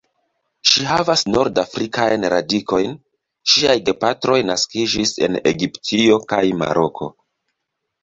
Ŝi havas nord-afrikajn radikojn; ŝiaj gepatroj naskiĝis en Egiptio kaj Maroko.